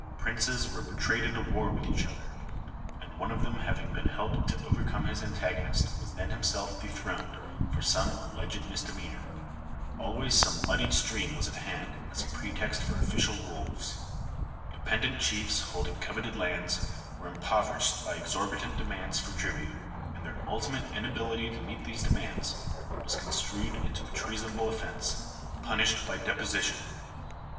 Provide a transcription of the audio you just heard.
Princes were betrayed into war with each other ; and one of them having been helped to overcome his antagonist, was then himself dethroned for some alleged misdemeanor. Always some muddied stream was at hand as a Digitized by VjOOQIC 868 GOVERNMENT COLONIZATION. pretext for official wolves. Dependent chiefs holding coveted lands were impoverished by exorbitant demands for tribute; and their ultimate inability to meet these demands was con strued into a treasonable offence, punished by deposition.